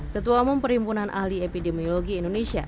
ketua umum perhimpunan ahli epidemiologi indonesia